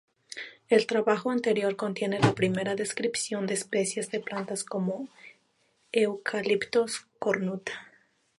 El trabajo anterior contiene la primera descripción de especies de plantas como "Eucalyptus cornuta".